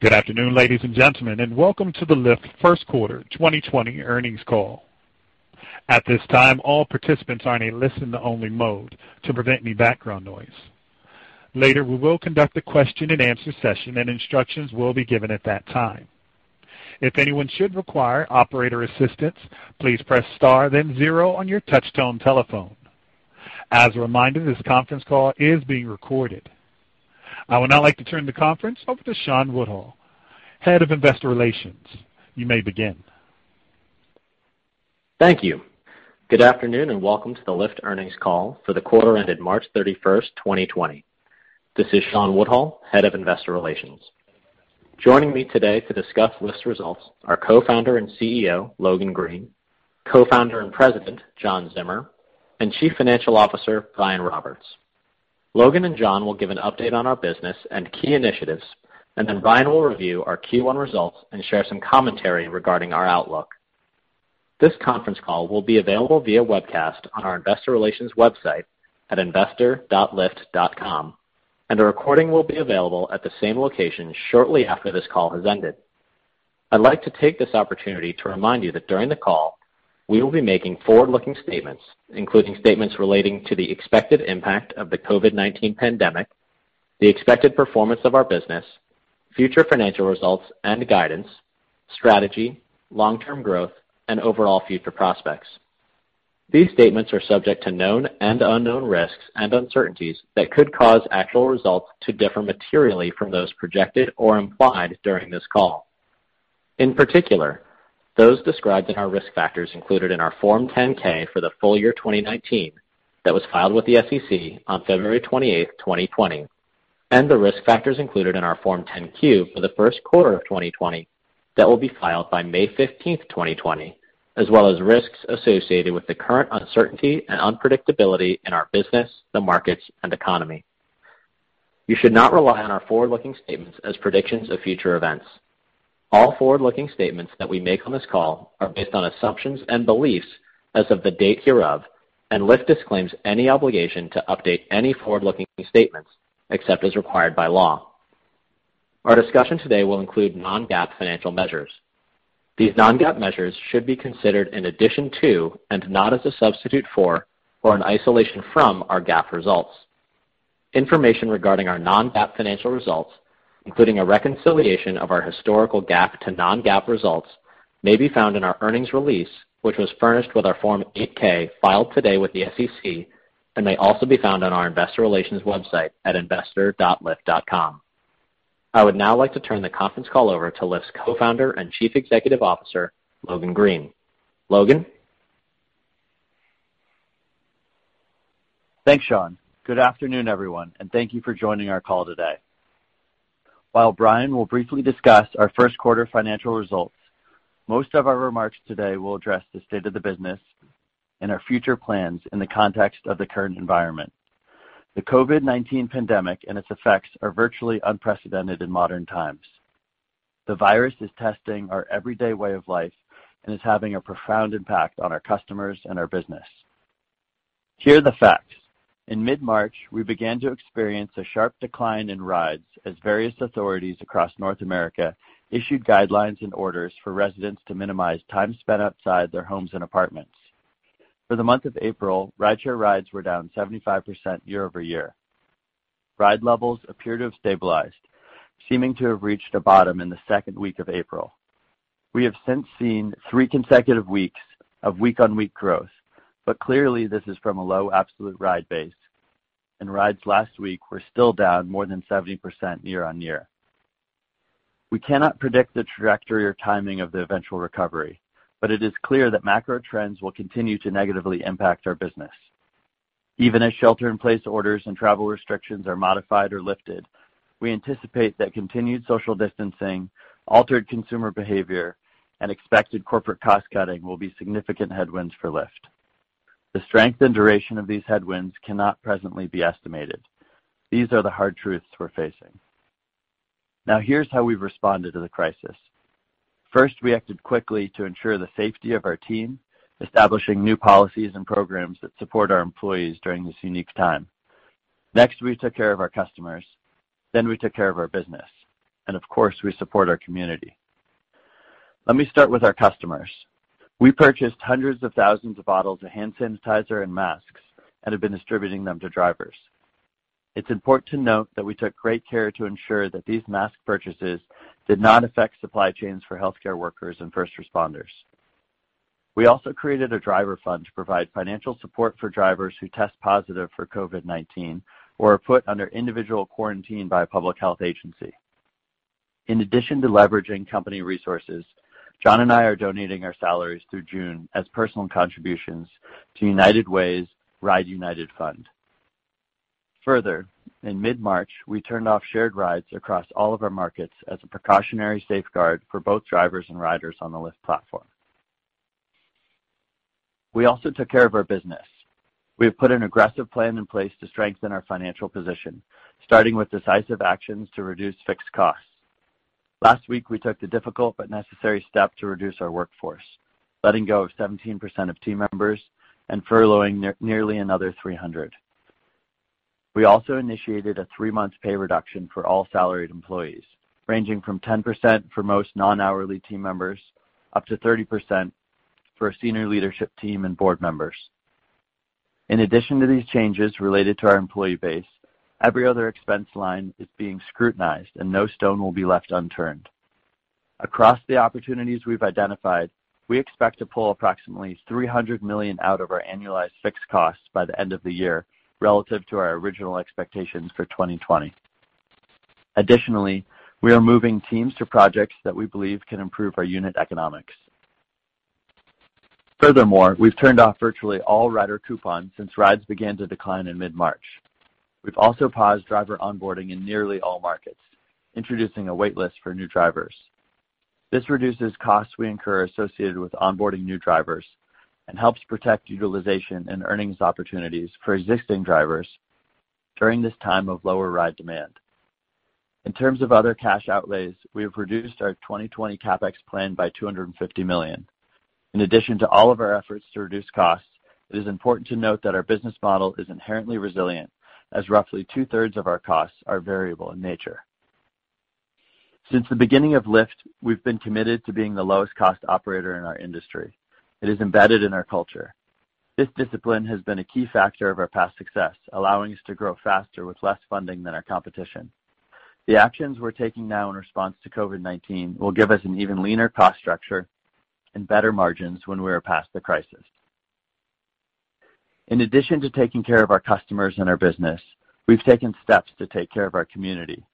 Good afternoon, ladies and gentlemen, and welcome to the Lyft First Quarter 2020 Earnings Call. At this time, all participants are in a listen only mode to prevent any background noise. Later, we will conduct a question and answer session, and instructions will be given at that time. If anyone should require operator assistance, please press star then zero on your touchtone telephone. As a reminder, this conference call is being recorded. I would now like to turn the conference over to Shawn Woodhull, Head of Investor Relations. You may begin. Thank you. Good afternoon, welcome to the Lyft earnings call for the quarter ended March 31st, 2020. This is Shawn Woodhull, Head of Investor Relations. Joining me today to discuss Lyft's results are Co-Founder and CEO, Logan Green; Co-Founder and President, John Zimmer; and Chief Financial Officer, Brian Roberts. Logan and John will give an update on our business and key initiatives, then Brian will review our Q1 results and share some commentary regarding our outlook. This conference call will be available via webcast on our investor relations website at investor.lyft.com, a recording will be available at the same location shortly after this call has ended. I'd like to take this opportunity to remind you that during the call, we will be making forward-looking statements, including statements relating to the expected impact of the COVID-19 pandemic, the expected performance of our business, future financial results and guidance, strategy, long-term growth, and overall future prospects. These statements are subject to known and unknown risks and uncertainties that could cause actual results to differ materially from those projected or implied during this call. In particular, those described in our risk factors included in our Form 10-K for the full year 2019 that was filed with the SEC on February 28, 2020, and the risk factors included in our Form 10-Q for the first quarter of 2020 that will be filed by May 15, 2020. As well as risks associated with the current uncertainty and unpredictability in our business, the markets, and economy. You should not rely on our forward-looking statements as predictions of future events. All forward-looking statements that we make on this call are based on assumptions and beliefs as of the date hereof, and Lyft disclaims any obligation to update any forward-looking statements, except as required by law. Our discussion today will include non-GAAP financial measures. These non-GAAP measures should be considered in addition to, and not as a substitute for, or an isolation from, our GAAP results. Information regarding our non-GAAP financial results, including a reconciliation of our historical GAAP to non-GAAP results, may be found in our earnings release, which was furnished with our Form 8-K filed today with the SEC and may also be found on our investor relations website at investor.lyft.com. I would now like to turn the conference call over to Lyft's Co-Founder and Chief Executive Officer, Logan Green. Logan? Thanks, Shawn. Good afternoon, everyone, and thank you for joining our call today. While Brian will briefly discuss our first quarter financial results, most of our remarks today will address the state of the business and our future plans in the context of the current environment. The COVID-19 pandemic and its effects are virtually unprecedented in modern times. The virus is testing our everyday way of life and is having a profound impact on our customers and our business. Here are the facts: In mid-March, we began to experience a sharp decline in rides as various authorities across North America issued guidelines and orders for residents to minimize time spent outside their homes and apartments. For the month of April, rideshare rides were down 75% year-over-year. Ride levels appear to have stabilized, seeming to have reached a bottom in the second week of April. We have since seen three consecutive weeks of week-on-week growth, but clearly this is from a low absolute ride base, and rides last week were still down more than 70% year-on-year. We cannot predict the trajectory or timing of the eventual recovery, but it is clear that macro trends will continue to negatively impact our business. Even as shelter-in-place orders and travel restrictions are modified or lifted, we anticipate that continued social distancing, altered consumer behavior, and expected corporate cost-cutting will be significant headwinds for Lyft. The strength and duration of these headwinds cannot presently be estimated. These are the hard truths we're facing. Here's how we've responded to the crisis. First, we acted quickly to ensure the safety of our team, establishing new policies and programs that support our employees during this unique time. We took care of our customers, then we took care of our business. Of course, we support our community. Let me start with our customers. We purchased hundreds of thousands of bottles of hand sanitizer and masks and have been distributing them to drivers. It's important to note that we took great care to ensure that these mask purchases did not affect supply chains for healthcare workers and first responders. We also created a driver fund to provide financial support for drivers who test positive for COVID-19 or are put under individual quarantine by a public health agency. In addition to leveraging company resources, John and I are donating our salaries through June as personal contributions to United Way's Ride United fund. Further, in mid-March, we turned off Shared Rides across all of our markets as a precautionary safeguard for both drivers and riders on the Lyft platform. We also took care of our business. We have put an aggressive plan in place to strengthen our financial position, starting with decisive actions to reduce fixed costs. Last week, we took the difficult but necessary step to reduce our workforce, letting go of 17% of team members and furloughing nearly another 300. We also initiated a three-month pay reduction for all salaried employees, ranging from 10% for most non-hourly team members, up to 30% for senior leadership team and board members. In addition to these changes related to our employee base, every other expense line is being scrutinized and no stone will be left unturned. Across the opportunities we've identified, we expect to pull approximately $300 million out of our annualized fixed costs by the end of the year relative to our original expectations for 2020. Additionally, we are moving teams to projects that we believe can improve our unit economics. Furthermore, we've turned off virtually all rider coupons since rides began to decline in mid-March. We've also paused driver onboarding in nearly all markets, introducing a wait list for new drivers. This reduces costs we incur associated with onboarding new drivers and helps protect utilization and earnings opportunities for existing drivers during this time of lower ride demand. In terms of other cash outlays, we have reduced our 2020 CapEx plan by $250 million. In addition to all of our efforts to reduce costs, it is important to note that our business model is inherently resilient, as roughly 2/3 of our costs are variable in nature. Since the beginning of Lyft, we've been committed to being the lowest cost operator in our industry. It is embedded in our culture. This discipline has been a key factor of our past success, allowing us to grow faster with less funding than our competition. The actions we're taking now in response to COVID-19 will give us an even leaner cost structure and better margins when we are past the crisis. In addition to taking care of our customers and our business, we've taken steps to take care of our community.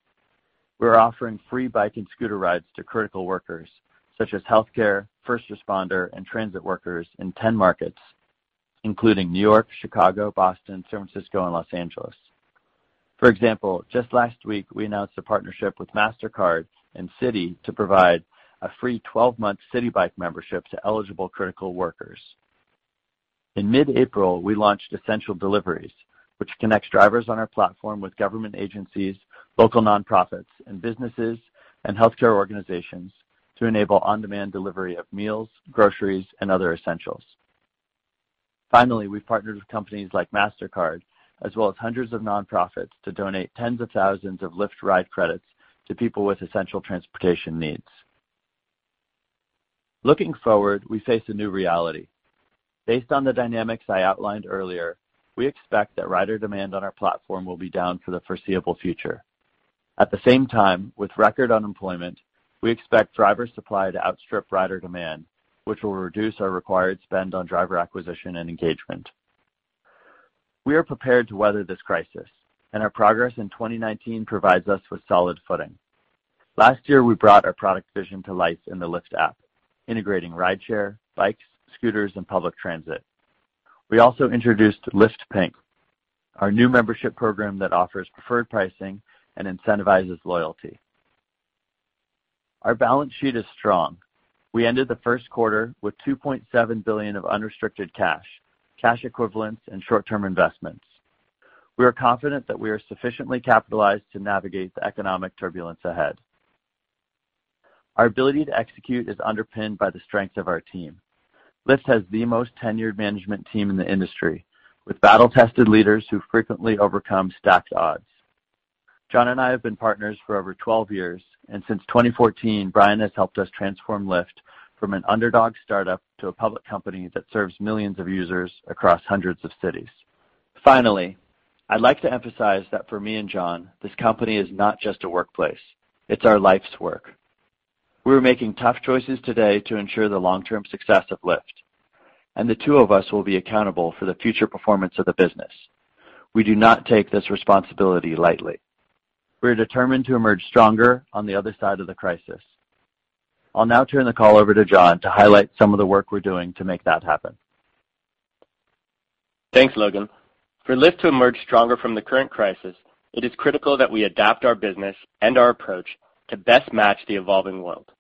We're offering free bike and scooter rides to critical workers, such as healthcare, first responder, and transit workers in 10 markets, including New York, Chicago, Boston, San Francisco, and Los Angeles. For example, just last week, we announced a partnership with Mastercard and Citi to provide a free 12-month Citi Bike membership to eligible critical workers. In mid-April, we launched Essential Deliveries, which connects drivers on our platform with government agencies, local nonprofits, and businesses and healthcare organizations to enable on-demand delivery of meals, groceries, and other essentials. Finally, we've partnered with companies like Mastercard as well as hundreds of nonprofits to donate tens of thousands of Lyft Ride credits to people with essential transportation needs. Looking forward, we face a new reality. Based on the dynamics I outlined earlier, we expect that rider demand on our platform will be down for the foreseeable future. At the same time, with record unemployment, we expect driver supply to outstrip rider demand, which will reduce our required spend on driver acquisition and engagement. We are prepared to weather this crisis, and our progress in 2019 provides us with solid footing. Last year, we brought our product vision to life in the Lyft app, integrating rideshare, bikes, scooters, and public transit. We also introduced Lyft Pink, our new membership program that offers preferred pricing and incentivizes loyalty. Our balance sheet is strong. We ended the first quarter with $2.7 billion of unrestricted cash equivalents, and short-term investments. We are confident that we are sufficiently capitalized to navigate the economic turbulence ahead. Our ability to execute is underpinned by the strength of our team. Lyft has the most tenured management team in the industry, with battle-tested leaders who frequently overcome stacked odds. John and I have been partners for over 12 years, and since 2014, Brian has helped us transform Lyft from an underdog startup to a public company that serves millions of users across hundreds of cities. Finally, I'd like to emphasize that for me and John, this company is not just a workplace. It's our life's work. We're making tough choices today to ensure the long-term success of Lyft, and the two of us will be accountable for the future performance of the business. We do not take this responsibility lightly. We are determined to emerge stronger on the other side of the crisis. I'll now turn the call over to John to highlight some of the work we're doing to make that happen. Thanks, Logan. For Lyft to emerge stronger from the current crisis, it is critical that we adapt our business and our approach to best match the evolving world.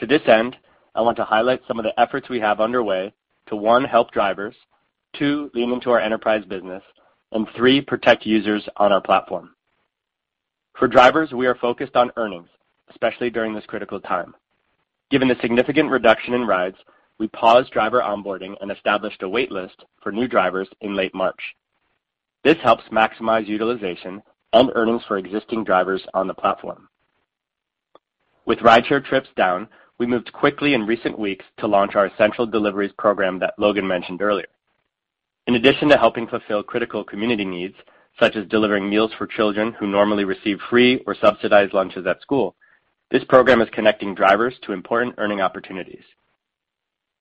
To this end, I want to highlight some of the efforts we have underway to, one, help drivers, two, lean into our enterprise business, and three, protect users on our platform. For drivers, we are focused on earnings, especially during this critical time. Given the significant reduction in rides, we paused driver onboarding and established a wait list for new drivers in late March. This helps maximize utilization and earnings for existing drivers on the platform. With rideshare trips down, we moved quickly in recent weeks to launch our Essential Deliveries program that Logan mentioned earlier. In addition to helping fulfill critical community needs, such as delivering meals for children who normally receive free or subsidized lunches at school, this program is connecting drivers to important earning opportunities.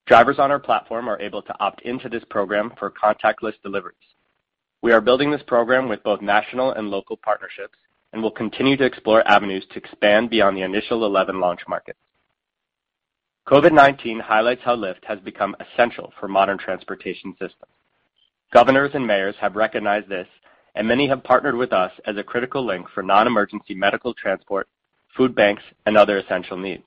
Drivers on our platform are able to opt into this program for contactless deliveries. We are building this program with both national and local partnerships and will continue to explore avenues to expand beyond the initial 11 launch markets. COVID-19 highlights how Lyft has become essential for modern transportation systems. Governors and mayors have recognized this, and many have partnered with us as a critical link for non-emergency medical transportation, food banks, and other essential needs.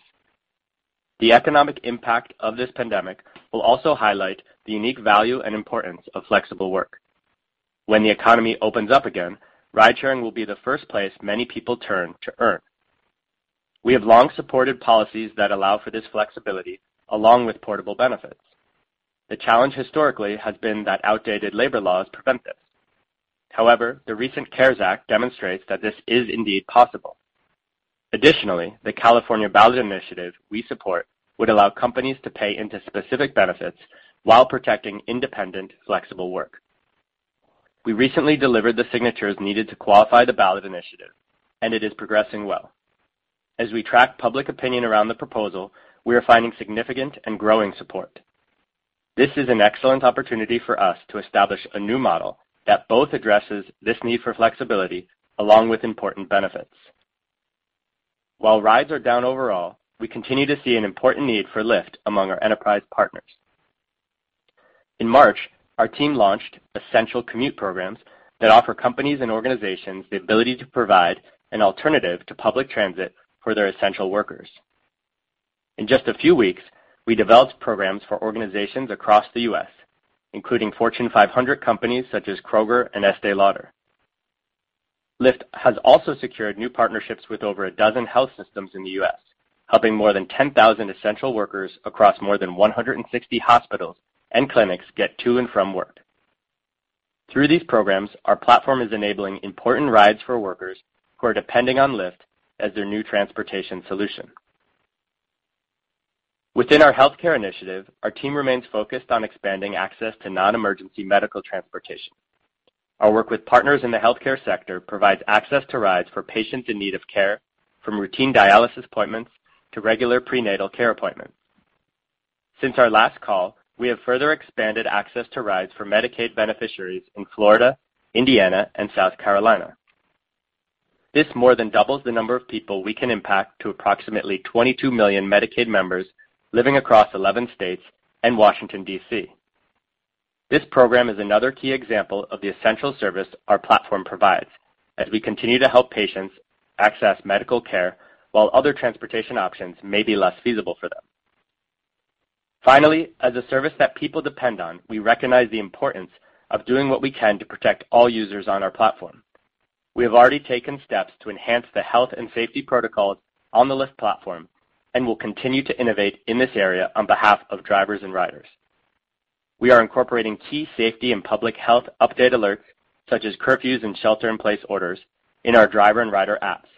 The economic impact of this pandemic will also highlight the unique value and importance of flexible work. When the economy opens up again, ridesharing will be the first place many people turn to earn. We have long supported policies that allow for this flexibility along with portable benefits. The challenge historically has been that outdated labor laws prevent this. The recent CARES Act demonstrates that this is indeed possible. The California ballot initiative we support would allow companies to pay into specific benefits while protecting independent, flexible work. We recently delivered the signatures needed to qualify the ballot initiative, and it is progressing well. As we track public opinion around the proposal, we are finding significant and growing support. This is an excellent opportunity for us to establish a new model that both addresses this need for flexibility along with important benefits. While rides are down overall, we continue to see an important need for Lyft among our enterprise partners. In March, our team launched Essential Commute programs that offer companies and organizations the ability to provide an alternative to public transit for their essential workers. In just a few weeks, we developed programs for organizations across the U.S., including Fortune 500 companies such as Kroger and Estée Lauder. Lyft has also secured new partnerships with over a dozen health systems in the U.S., helping more than 10,000 essential workers across more than 160 hospitals and clinics get to and from work. Through these programs, our platform is enabling important rides for workers who are depending on Lyft as their new transportation solution. Within our healthcare initiative, our team remains focused on expanding access to non-emergency medical transportation. Our work with partners in the healthcare sector provides access to rides for patients in need of care, from routine dialysis appointments to regular prenatal care appointments. Since our last call, we have further expanded access to rides for Medicaid beneficiaries in Florida, Indiana, and South Carolina. This more than doubles the number of people we can impact to approximately 22 million Medicaid members living across 11 states and Washington, D.C. This program is another key example of the essential service our platform provides as we continue to help patients access medical care while other transportation options may be less feasible for them. Finally, as a service that people depend on, we recognize the importance of doing what we can to protect all users on our platform. We have already taken steps to enhance the health and safety protocols on the Lyft platform and will continue to innovate in this area on behalf of drivers and riders. We are incorporating key safety and public health update alerts, such as curfews and shelter-in-place orders in our driver and rider apps.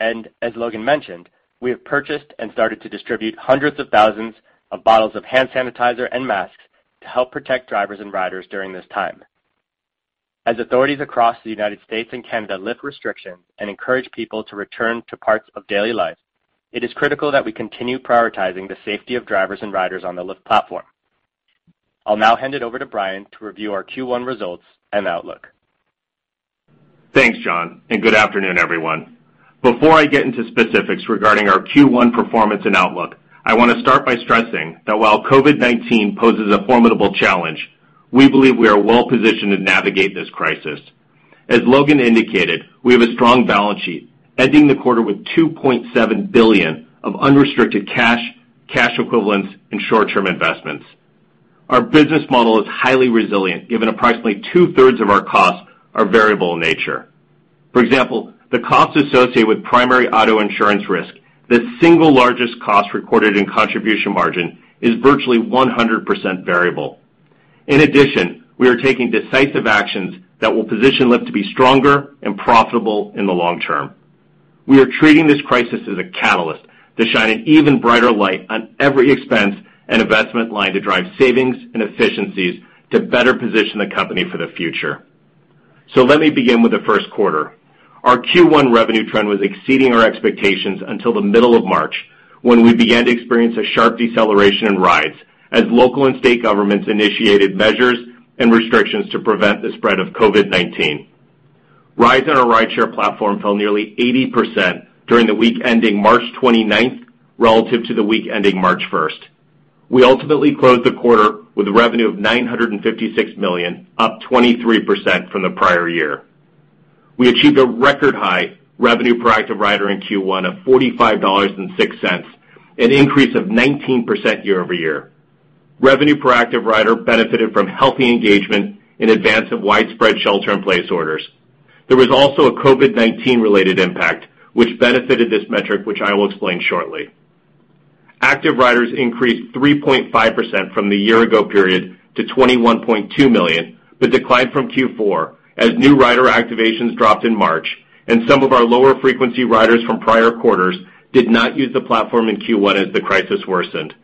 As Logan mentioned, we have purchased and started to distribute hundreds of thousands of bottles of hand sanitizer and masks to help protect drivers and riders during this time. As authorities across the United States and Canada lift restrictions and encourage people to return to parts of daily life, it is critical that we continue prioritizing the safety of drivers and riders on the Lyft platform. I'll now hand it over to Brian to review our Q1 results and outlook. Thanks, John. Good afternoon, everyone. Before I get into specifics regarding our Q1 performance and outlook, I want to start by stressing that while COVID-19 poses a formidable challenge, we believe we are well-positioned to navigate this crisis. As Logan indicated, we have a strong balance sheet, ending the quarter with $2.7 billion of unrestricted cash equivalents, and short-term investments. Our business model is highly resilient, given approximately 2/3 of our costs are variable in nature. For example, the costs associated with primary auto insurance risk, the single largest cost recorded in contribution margin, is virtually 100% variable. In addition, we are taking decisive actions that will position Lyft to be stronger and profitable in the long term. We are treating this crisis as a catalyst to shine an even brighter light on every expense and investment line to drive savings and efficiencies to better position the company for the future. Let me begin with the first quarter. Our Q1 revenue trend was exceeding our expectations until the middle of March, when we began to experience a sharp deceleration in rides as local and state governments initiated measures and restrictions to prevent the spread of COVID-19. Rides on our rideshare platform fell nearly 80% during the week ending March 29th, relative to the week ending March 1st. We ultimately closed the quarter with revenue of $956 million, up 23% from the prior year. We achieved a record-high revenue per active rider in Q1 of $45.06, an increase of 19% year-over-year. Revenue per active rider benefited from healthy engagement in advance of widespread shelter-in-place orders. There was also a COVID-19-related impact, which benefited this metric, which I will explain shortly. Active riders increased 3.5% from the year-ago period to 21.2 million, declined from Q4 as new rider activations dropped in March and some of our lower-frequency riders from prior quarters did not use the platform in Q1 as the crisis worsened.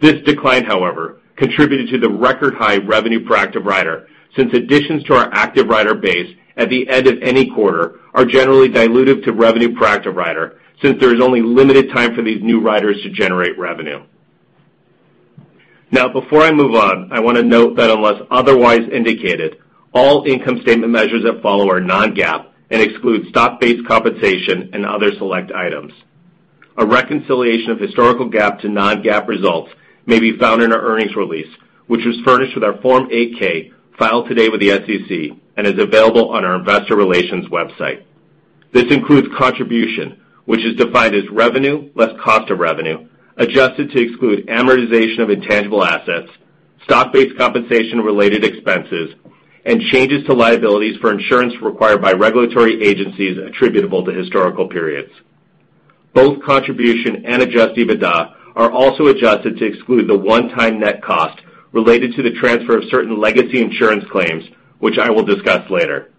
This decline, however, contributed to the record-high revenue per active rider, since additions to our active rider base at the end of any quarter are generally dilutive to revenue per active rider, since there is only limited time for these new riders to generate revenue. Before I move on, I want to note that unless otherwise indicated, all income statement measures that follow are non-GAAP and exclude stock-based compensation and other select items. A reconciliation of historical GAAP to non-GAAP results may be found in our earnings release, which was furnished with our Form 8-K filed today with the SEC and is available on our investor relations website. This includes contribution, which is defined as revenue less cost of revenue, adjusted to exclude amortization of intangible assets, stock-based compensation-related expenses, and changes to liabilities for insurance required by regulatory agencies attributable to historical periods. Both contribution and adjusted EBITDA are also adjusted to exclude the 1x net cost related to the transfer of certain legacy insurance claims, which I will discuss later.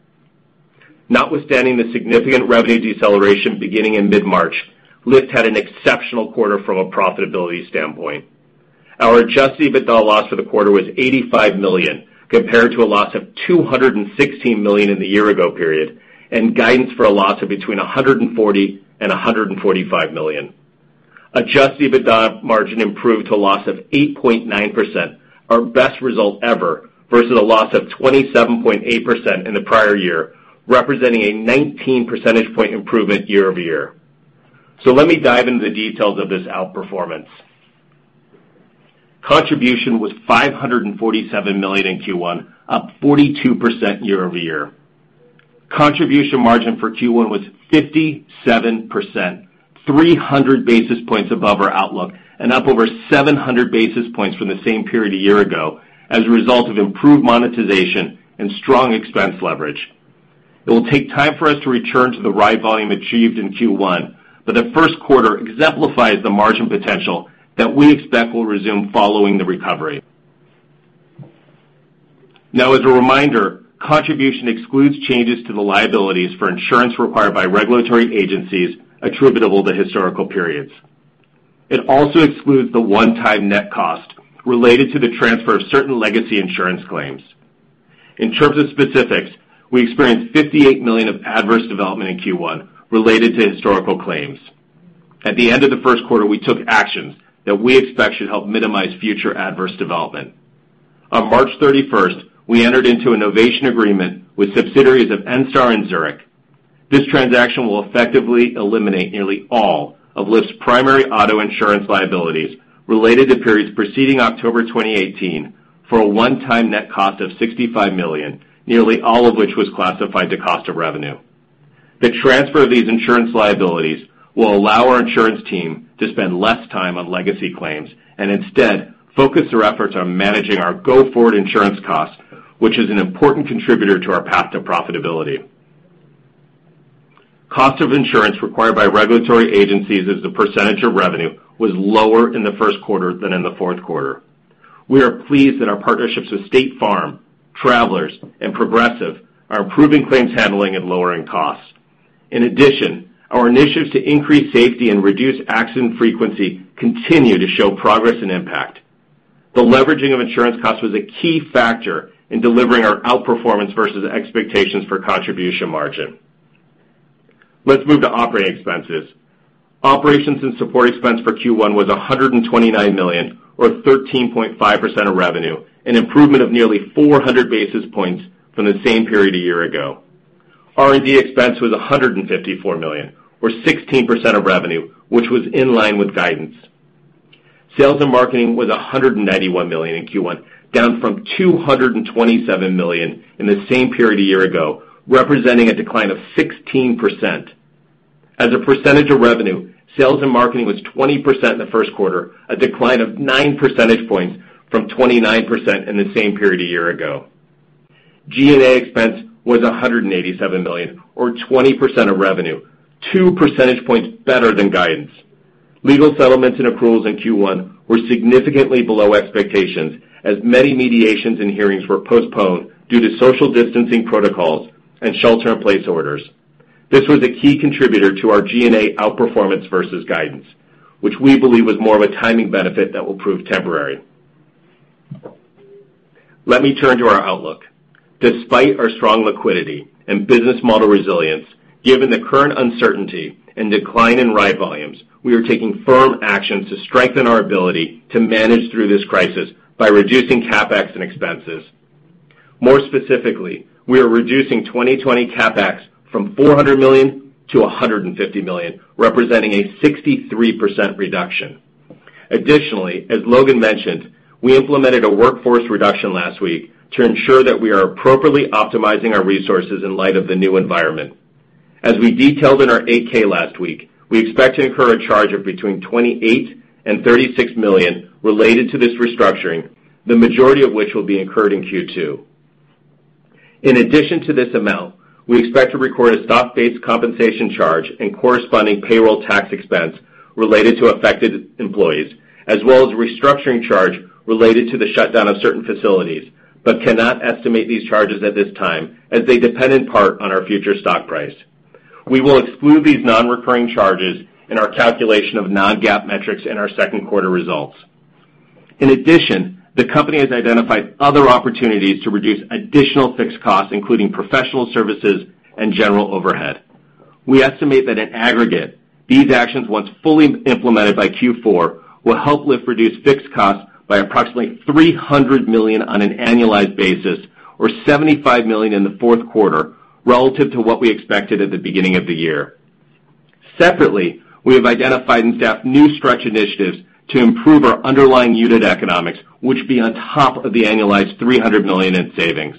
Notwithstanding the significant revenue deceleration beginning in mid-March, Lyft had an exceptional quarter from a profitability standpoint. Our adjusted EBITDA loss for the quarter was $85 million, compared to a loss of $216 million in the year-ago period, and guidance for a loss of between $140 and $145 million. Adjusted EBITDA margin improved to a loss of 8.9%, our best result ever, versus a loss of 27.8% in the prior year, representing a 19 percentage point improvement year-over-year. Let me dive into the details of this outperformance. Contribution was $547 million in Q1, up 42% year-over-year. Contribution margin for Q1 was 57%, 300 basis points above our outlook, and up over 700 basis points from the same period a year ago as a result of improved monetization and strong expense leverage. It will take time for us to return to the ride volume achieved in Q1, but the first quarter exemplifies the margin potential that we expect will resume following the recovery. As a reminder, contribution excludes changes to the liabilities for insurance required by regulatory agencies attributable to historical periods. It also excludes the 1x net cost related to the transfer of certain legacy insurance claims. In terms of specifics, we experienced $58 million of adverse development in Q1 related to historical claims. At the end of the first quarter, we took actions that we expect should help minimize future adverse development. On March 31st, we entered into a novation agreement with subsidiaries of Enstar and Zurich. This transaction will effectively eliminate nearly all of Lyft's primary auto insurance liabilities related to periods preceding October 2018 for a 1x net cost of $65 million, nearly all of which was classified to cost of revenue. The transfer of these insurance liabilities will allow our insurance team to spend less time on legacy claims, and instead focus their efforts on managing our go-forward insurance costs, which is an important contributor to our path to profitability. Cost of insurance required by regulatory agencies as a percentage of revenue was lower in the first quarter than in the fourth quarter. We are pleased that our partnerships with State Farm, Travelers, and Progressive are improving claims handling and lowering costs. In addition, our initiatives to increase safety and reduce accident frequency continue to show progress and impact. The leveraging of insurance costs was a key factor in delivering our outperformance versus expectations for contribution margin. Let's move to operating expenses. Operations and support expense for Q1 was $129 million, or 13.5% of revenue, an improvement of nearly 400 basis points from the same period a year ago. R&D expense was $154 million, or 16% of revenue, which was in line with guidance. Sales and marketing was $191 million in Q1, down from $227 million in the same period a year ago, representing a decline of 16%. As a percentage of revenue, sales and marketing was 20% in the first quarter, a decline of nine percentage points from 29% in the same period a year ago. G&A expense was $187 million, or 20% of revenue, two percentage points better than guidance. Legal settlements and approvals in Q1 were significantly below expectations, as many mediations and hearings were postponed due to social distancing protocols and shelter in place orders. This was a key contributor to our G&A outperformance versus guidance, which we believe was more of a timing benefit that will prove temporary. Let me turn to our outlook. Despite our strong liquidity and business model resilience, given the current uncertainty and decline in ride volumes, we are taking firm actions to strengthen our ability to manage through this crisis by reducing CapEx and expenses. More specifically, we are reducing 2020 CapEx from $400 million to $150 million, representing a 63% reduction. Additionally, as Logan mentioned, we implemented a workforce reduction last week to ensure that we are appropriately optimizing our resources in light of the new environment. As we detailed in our Form 8-K last week, we expect to incur a charge of between $28 and $36 million related to this restructuring, the majority of which will be incurred in Q2. In addition to this amount, we expect to record a stock-based compensation charge and corresponding payroll tax expense related to affected employees, as well as a restructuring charge related to the shutdown of certain facilities, but cannot estimate these charges at this time, as they depend in part on our future stock price. We will exclude these non-recurring charges in our calculation of non-GAAP metrics in our second quarter results. In addition, the company has identified other opportunities to reduce additional fixed costs, including professional services and general overhead. We estimate that in aggregate, these actions, once fully implemented by Q4, will help Lyft reduce fixed costs by approximately $300 million on an annualized basis, or $75 million in the fourth quarter relative to what we expected at the beginning of the year. Separately, we have identified and staffed new stretch initiatives to improve our underlying unit economics, which will be on top of the annualized $300 million in savings.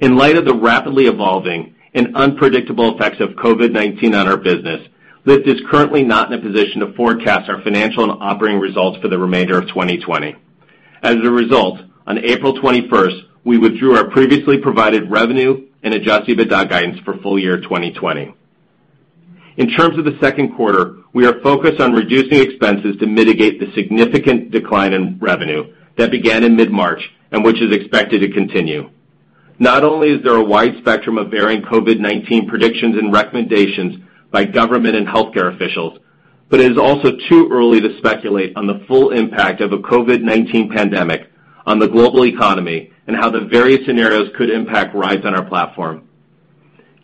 In light of the rapidly evolving and unpredictable effects of COVID-19 on our business, Lyft is currently not in a position to forecast our financial and operating results for the remainder of 2020. As a result, on April 21st, we withdrew our previously provided revenue and adjusted EBITDA guidance for full-year 2020. In terms of the second quarter, we are focused on reducing expenses to mitigate the significant decline in revenue that began in mid-March, and which is expected to continue. Not only is there a wide spectrum of varying COVID-19 predictions and recommendations by government and healthcare officials, but it is also too early to speculate on the full impact of a COVID-19 pandemic on the global economy and how the various scenarios could impact rides on our platform.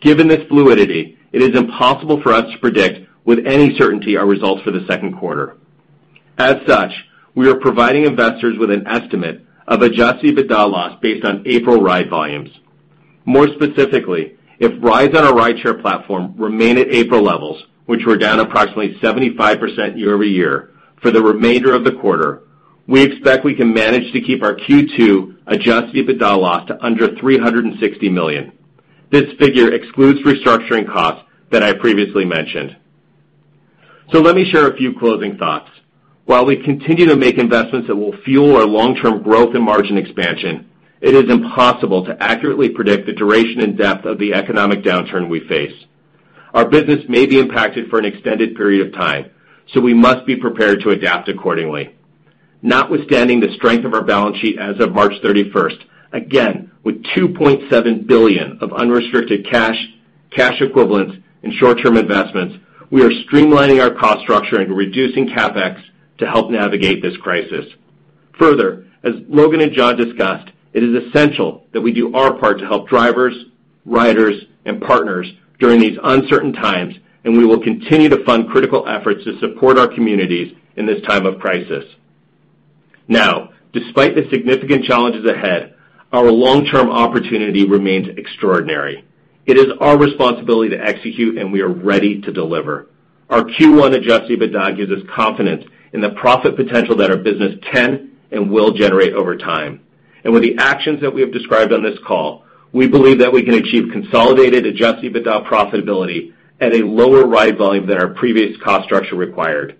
Given this fluidity, it is impossible for us to predict with any certainty our results for the second quarter. As such, we are providing investors with an estimate of adjusted EBITDA loss based on April ride volumes. More specifically, if rides on our rideshare platform remain at April levels, which were down approximately 75% year-over-year, for the remainder of the quarter, we expect we can manage to keep our Q2 adjusted EBITDA loss to under $360 million. This figure excludes restructuring costs that I previously mentioned. Let me share a few closing thoughts. While we continue to make investments that will fuel our long-term growth and margin expansion, it is impossible to accurately predict the duration and depth of the economic downturn we face. Our business may be impacted for an extended period of time, so we must be prepared to adapt accordingly. Notwithstanding the strength of our balance sheet as of March 31st, again, with $2.7 billion of unrestricted cash equivalents, and short-term investments, we are streamlining our cost structure and reducing CapEx to help navigate this crisis. Further, as Logan and John discussed, it is essential that we do our part to help drivers, riders, and partners during these uncertain times, and we will continue to fund critical efforts to support our communities in this time of crisis. Despite the significant challenges ahead, our long-term opportunity remains extraordinary. It is our responsibility to execute, and we are ready to deliver. Our Q1 adjusted EBITDA gives us confidence in the profit potential that our business can and will generate over time. With the actions that we have described on this call, we believe that we can achieve consolidated adjusted EBITDA profitability at a lower ride volume than our previous cost structure required.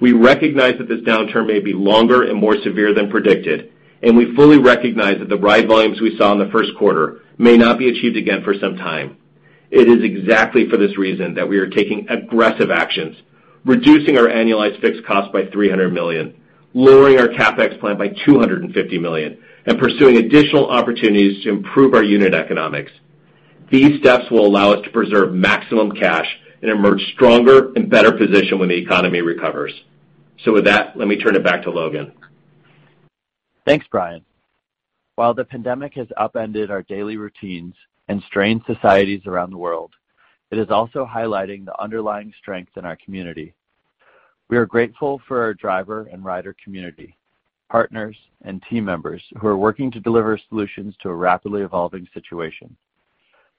We recognize that this downturn may be longer and more severe than predicted. We fully recognize that the ride volumes we saw in the first quarter may not be achieved again for some time. It is exactly for this reason that we are taking aggressive actions, reducing our annualized fixed cost by $300 million, lowering our CapEx plan by $250 million, and pursuing additional opportunities to improve our unit economics. These steps will allow us to preserve maximum cash and emerge stronger and better positioned when the economy recovers. With that, let me turn it back to Logan. Thanks, Brian. While the pandemic has upended our daily routines and strained societies around the world, it is also highlighting the underlying strength in our community. We are grateful for our driver and rider community, partners, and team members who are working to deliver solutions to a rapidly evolving situation.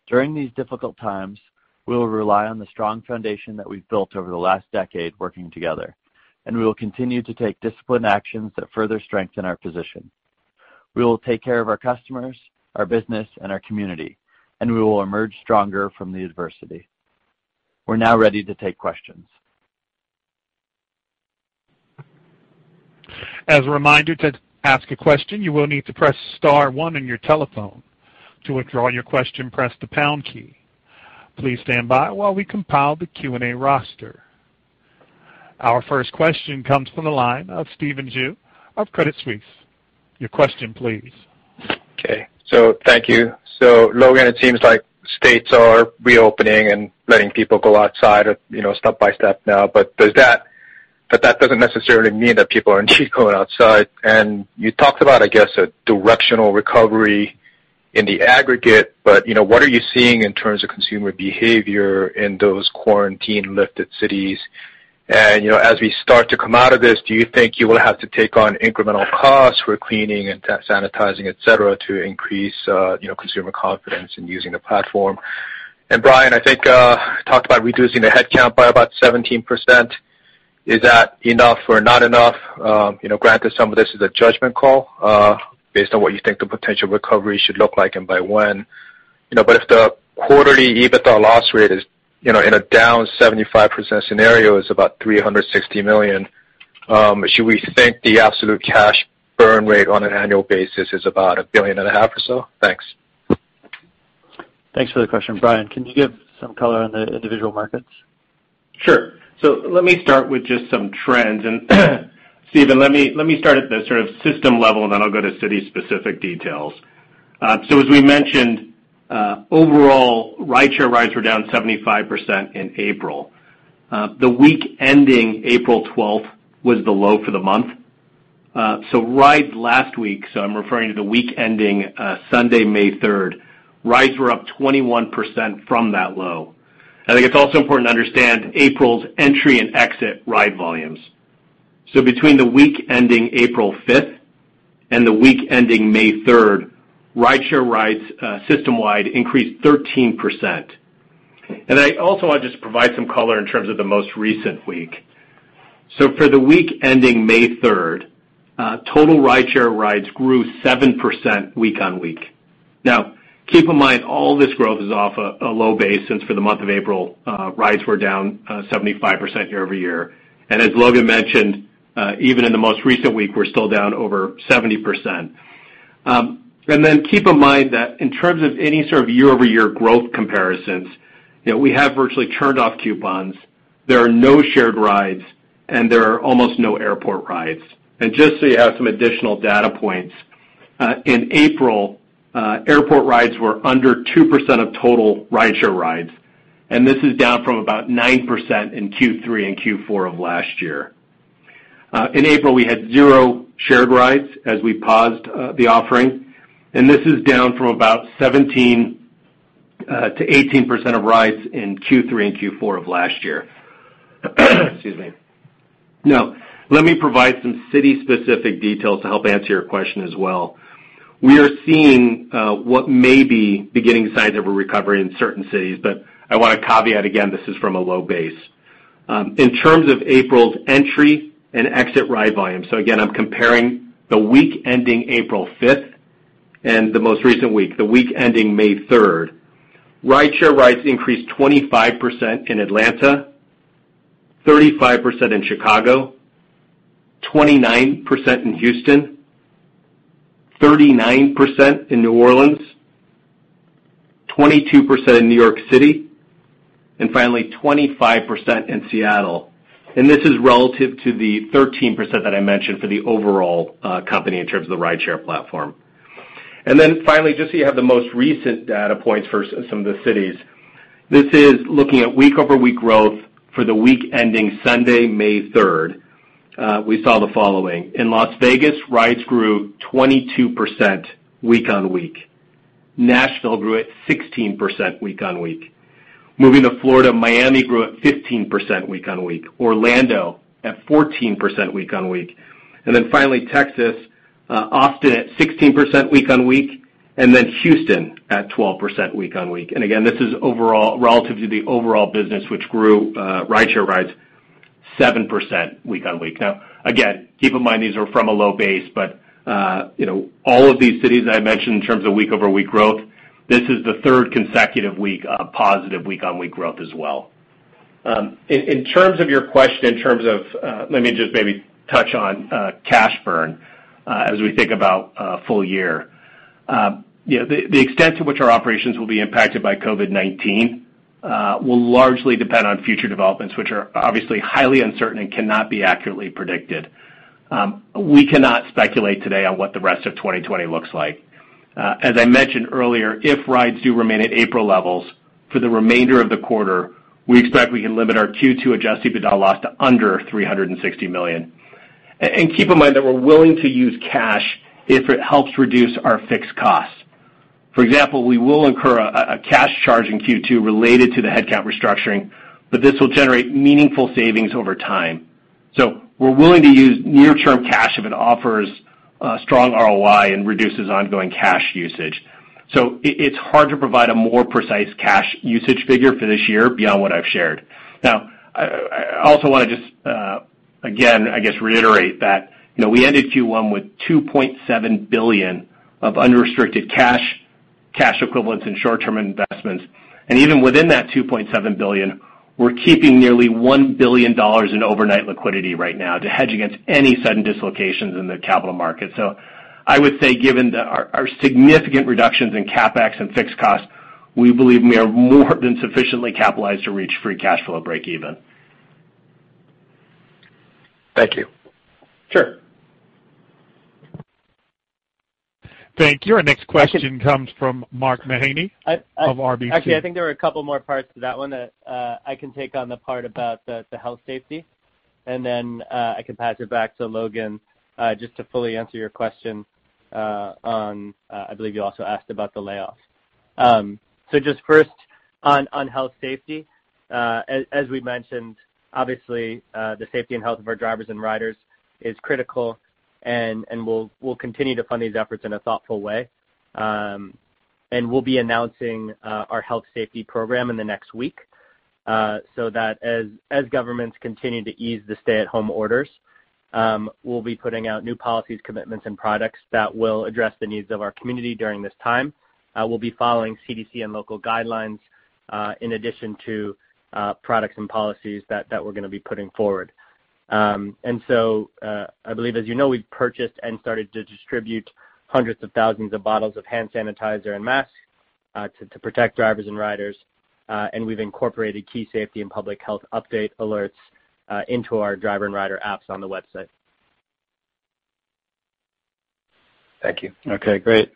During these difficult times, we will rely on the strong foundation that we've built over the last decade working together, and we will continue to take disciplined actions that further strengthen our position. We will take care of our customers, our business, and our community, and we will emerge stronger from the adversity. We're now ready to take questions. As a reminder, to ask a question, you will need to press star one on your telephone. To withdraw your question, press the pound key. Please stand by while we compile the Q&A roster. Our first question comes from the line of Stephen Ju of Credit Suisse. Your question please. Okay. Thank you. Logan, it seems like states are reopening and letting people go outside, step-by-step now, but that doesn't necessarily mean that people are indeed going outside. You talked about, I guess, a directional recovery in the aggregate, but what are you seeing in terms of consumer behavior in those quarantine-lifted cities? As we start to come out of this, do you think you will have to take on incremental costs for cleaning and sanitizing, et cetera, to increase consumer confidence in using the platform? Brian, I think, talked about reducing the headcount by about 17%. Is that enough or not enough? Granted, some of this is a judgment call, based on what you think the potential recovery should look like and by when. If the quarterly EBITDA loss rate is in a down 75% scenario is about $360 million, should we think the absolute cash burn rate on an annual basis is about $1.5 billion or so? Thanks. Thanks for the question. Brian, can you give some color on the individual markets? Sure. Let me start with just some trends and Stephen, let me start at the sort of system level, and then I'll go to city-specific details. As we mentioned, overall, rideshare rides were down 75% in April. The week ending April 12th was the low for the month. Rides last week, so I'm referring to the week ending Sunday, May 3rd, rides were up 21% from that low. I think it's also important to understand April's entry and exit ride volumes. Between the week ending April 5th and the week ending May 3rd, rideshare rides system-wide increased 13%. I also want to just provide some color in terms of the most recent week. For the week ending May 3rd, total rideshare rides grew 7% week on week. Keep in mind, all this growth is off a low base, since for the month of April, rides were down 75% year-over-year. As Logan mentioned, even in the most recent week, we're still down over 70%. Keep in mind that in terms of any sort of year-over-year growth comparisons, we have virtually turned off coupons. There are no Shared Rides, and there are almost no airport rides. Just so you have some additional data points, in April, airport rides were under 2% of total rideshare rides, and this is down from about 9% in Q3 and Q4 of last year. In April, we had zero Shared Rides as we paused the offering, and this is down from about 17%-18% of rides in Q3 and Q4 of last year. Excuse me. Let me provide some city-specific details to help answer your question as well. We are seeing what may be beginning signs of a recovery in certain cities. I want to caveat again, this is from a low base. In terms of April's entry and exit ride volume, so again, I'm comparing the week ending April 5th and the most recent week, the week ending May 3rd. Rideshare rides increased 25% in Atlanta, 35% in Chicago, 29% in Houston, 39% in New Orleans, 22% in New York City, and finally, 25% in Seattle. This is relative to the 13% that I mentioned for the overall company in terms of the rideshare platform. Finally, just so you have the most recent data points for some of the cities. This is looking at week-over-week growth for the week ending Sunday, May 3rd. We saw the following. In Las Vegas, rides grew 22% week-on-week. Nashville grew at 16% week-on-week. Moving to Florida, Miami grew at 15% week-on-week, Orlando at 14% week-on-week. Finally Texas, Austin at 16% week-on-week, Houston at 12% week-on-week. Again, this is overall relative to the overall business, which grew rideshare rides 7% week-on-week. Again, keep in mind, these are from a low base, but all of these cities that I mentioned in terms of week-over-week growth, this is the third consecutive week of positive week-on-week growth as well. In terms of your question in terms of, let me just maybe touch on cash burn as we think about full year. The extent to which our operations will be impacted by COVID-19 will largely depend on future developments, which are obviously highly uncertain and cannot be accurately predicted. We cannot speculate today on what the rest of 2020 looks like. As I mentioned earlier, if rides do remain at April levels for the remainder of the quarter, we expect we can limit our Q2 adjusted EBITDA loss to under $360 million. Keep in mind that we're willing to use cash if it helps reduce our fixed costs. For example, we will incur a cash charge in Q2 related to the headcount restructuring, this will generate meaningful savings over time. We're willing to use near-term cash if it offers a strong ROI and reduces ongoing cash usage. It's hard to provide a more precise cash usage figure for this year beyond what I've shared. I also want to reiterate that we ended Q1 with $2.7 billion of unrestricted cash equivalents and short-term investments. Even within that $2.7 billion, we're keeping nearly $1 billion in overnight liquidity right now to hedge against any sudden dislocations in the capital market. Given our significant reductions in CapEx and fixed costs, we believe we are more than sufficiently capitalized to reach free cash flow breakeven. Thank you. Sure. Thank you. Our next question comes from Mark Mahaney of RBC. I think there were a couple more parts to that one that I can take on the part about the health safety, and then I can pass it back to Logan, just to fully answer your question on, I believe you also asked about the layoffs. Just first on health safety. As we mentioned, obviously, the safety and health of our drivers and riders is critical, and we'll continue to fund these efforts in a thoughtful way. We'll be announcing our health safety program in the next week, so that as governments continue to ease the stay-at-home orders, we'll be putting out new policies, commitments, and products that will address the needs of our community during this time. We'll be following CDC and local guidelines in addition to products and policies that we're going to be putting forward. I believe, as you know, we've purchased and started to distribute hundreds of thousands of bottles of hand sanitizer and masks to protect drivers and riders, and we've incorporated key safety and public health update alerts into our driver and rider apps on the website. Thank you. Okay, great.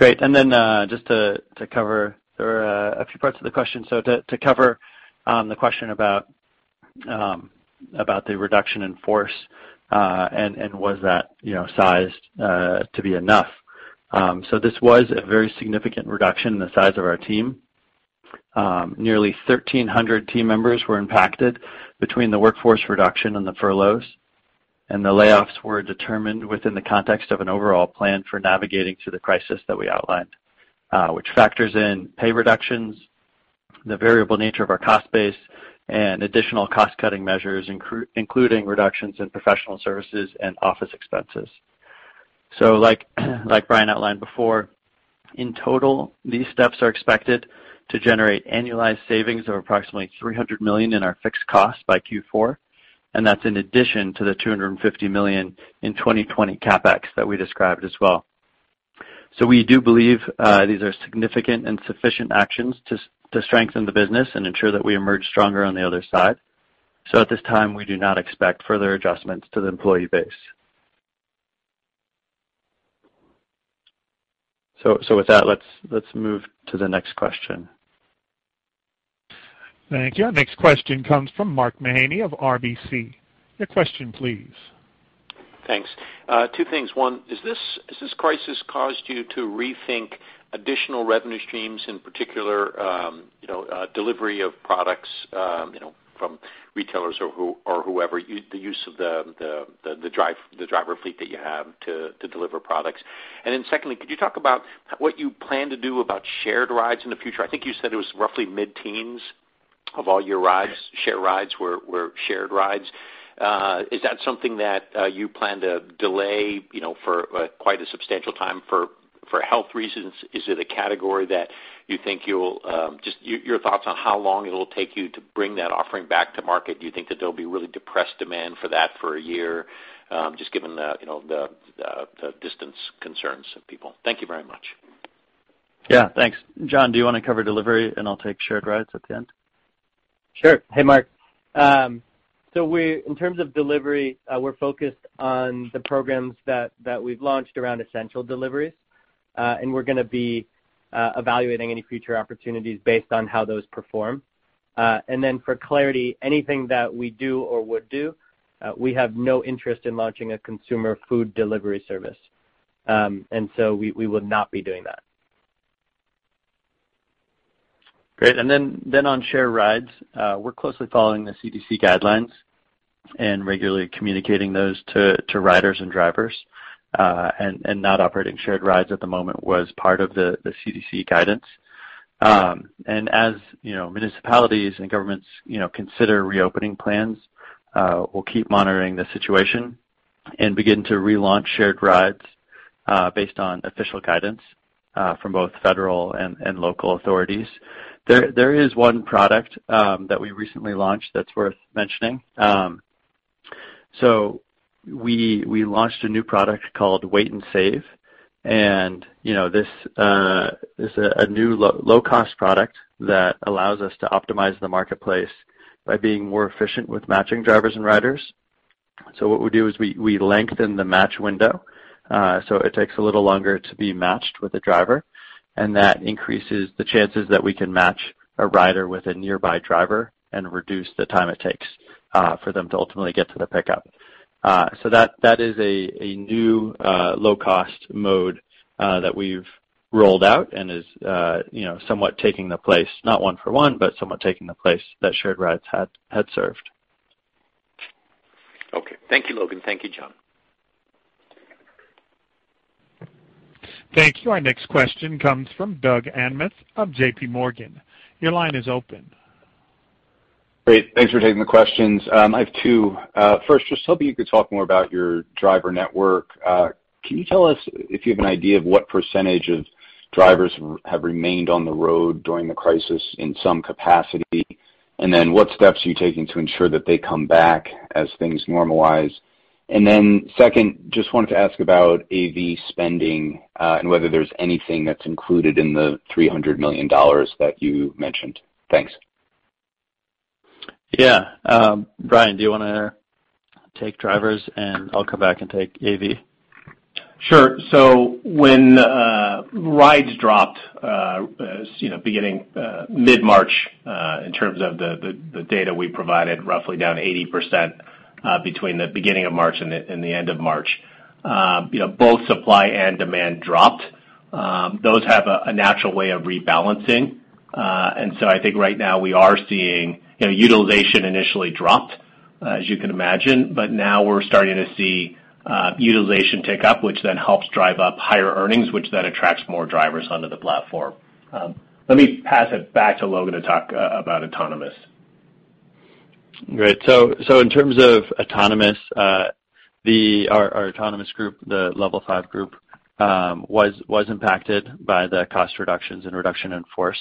Just to cover, there were a few parts of the question. To cover the question about the reduction in force and was that sized to be enough? This was a very significant reduction in the size of our team. Nearly 1,300 team members were impacted between the workforce reduction and the furloughs, and the layoffs were determined within the context of an overall plan for navigating through the crisis that we outlined, which factors in pay reductions, the variable nature of our cost base, and additional cost-cutting measures, including reductions in professional services and office expenses. Like Brian outlined before, in total, these steps are expected to generate annualized savings of approximately $300 million in our fixed cost by Q4, and that's in addition to the $250 million in 2020 CapEx that we described as well. We do believe these are significant and sufficient actions to strengthen the business and ensure that we emerge stronger on the other side. At this time, we do not expect further adjustments to the employee base. With that, let's move to the next question. Thank you. Our next question comes from Mark Mahaney of RBC. Your question please. Thanks. Two things. One, has this crisis caused you to rethink additional revenue streams, in particular, delivery of products from retailers or whoever, the use of the driver fleet that you have to deliver products? Secondly, could you talk about what you plan to do about Shared Rides in the future? I think you said it was roughly mid-10s of all your ride's, Shared Rides were Shared Rides. Is that something that you plan to delay for quite a substantial time for health reasons? Is it a category that you think you'll Just your thoughts on how long it'll take you to bring that offering back to market. Do you think that there'll be really depressed demand for that for a year, just given the distance concerns of people? Thank you very much. Yeah, thanks. John, do you want to cover delivery, and I'll take Shared Rides at the end? Sure. Hey, Mark. In terms of delivery, we're focused on the programs that we've launched around Essential Deliveries. We're going to be evaluating any future opportunities based on how those perform. For clarity, anything that we do or would do, we have no interest in launching a consumer food delivery service. We will not be doing that. Great. On Shared Rides, we're closely following the CDC guidelines and regularly communicating those to riders and drivers. Not operating Shared Rides at the moment was part of the CDC guidance. As municipalities and governments consider reopening plans, we'll keep monitoring the situation and begin to relaunch Shared Rides based on official guidance from both federal and local authorities. There is one product that we recently launched that's worth mentioning. We launched a new product called Wait & Save. This is a new low-cost product that allows us to optimize the marketplace by being more efficient with matching drivers and riders. What we do is we lengthen the match window, so it takes a little longer to be matched with a driver, and that increases the chances that we can match a rider with a nearby driver and reduce the time it takes for them to ultimately get to the pickup. That is a new low-cost mode that we've rolled out and is somewhat taking the place, not one for one, but somewhat taking the place that Shared Rides had served. Okay. Thank you, Logan. Thank you, John. Thank you. Our next question comes from Doug Anmuth of JPMorgan. Your line is open. Great. Thanks for taking the questions. I have two. First, just hoping you could talk more about your driver network. Can you tell us if you have an idea of what percentage of drivers have remained on the road during the crisis in some capacity, and then what steps are you taking to ensure that they come back as things normalize? Second, just wanted to ask about AV spending, and whether there's anything that's included in the $300 million that you mentioned. Thanks. Yeah. Brian, do you want to take drivers, and I'll come back and take AV? Sure. When rides dropped beginning mid-March, in terms of the data we provided, roughly down 80% between the beginning of March and the end of March, both supply and demand dropped. Those have a natural way of rebalancing. I think right now we are seeing utilization initially dropped, as you can imagine, but now we're starting to see utilization tick up, which then helps drive up higher earnings, which then attracts more drivers onto the platform. Let me pass it back to Logan to talk about autonomous. Great. In terms of autonomous, our autonomous group, the Level five group, was impacted by the cost reductions and reduction in force.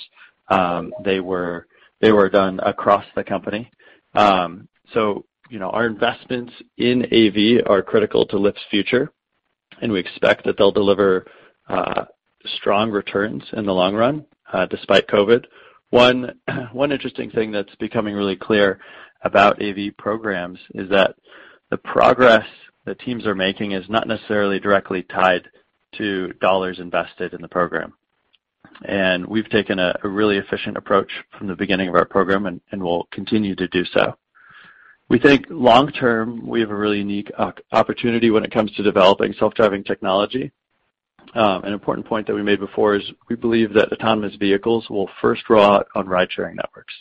They were done across the company. Our investments in AV are critical to Lyft's future, and we expect that they'll deliver strong returns in the long run, despite COVID-19. One interesting thing that's becoming really clear about AV programs is that the progress the teams are making is not necessarily directly tied to dollars invested in the program. We've taken a really efficient approach from the beginning of our program, and we'll continue to do so. We think long-term, we have a really unique opportunity when it comes to developing self-driving technology. An important point that we made before is we believe that autonomous vehicles will first draw on ride-sharing networks.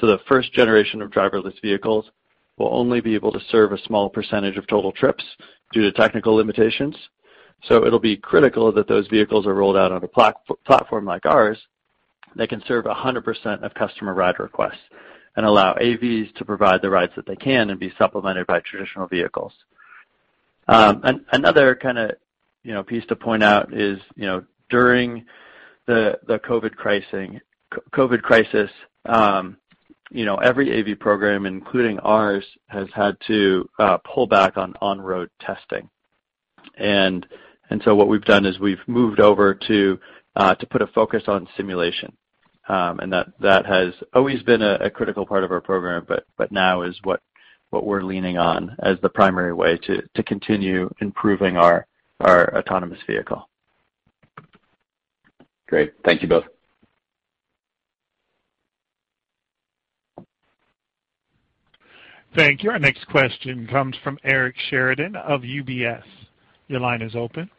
The first generation of driverless vehicles will only be able to serve a small percentage of total trips due to technical limitations. It'll be critical that those vehicles are rolled out on a platform like ours that can serve 100% of customer ride requests and allow AVs to provide the rides that they can and be supplemented by traditional vehicles. Another piece to point out is, during the COVID crisis, every AV program, including ours, has had to pull back on-road testing. What we've done is we've moved over to put a focus on simulation. That has always been a critical part of our program, but now is what we're leaning on as the primary way to continue improving our autonomous vehicle. Great. Thank you both. Thank you. Our next question comes from Eric Sheridan of UBS. Your line is open.